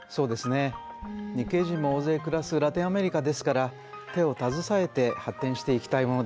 日系人も大勢暮らすラテンアメリカですから手を携えて発展していきたいものですね。